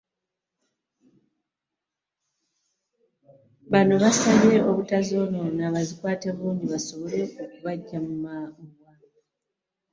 Bano baasabye obutazoonoona bazikwate bulungi zisibole okubaggya mu bwavu.